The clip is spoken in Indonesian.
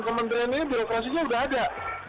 kementeriannya birokrasinya sudah ada